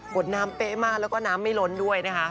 ดน้ำเป๊ะมากแล้วก็น้ำไม่ล้นด้วยนะคะ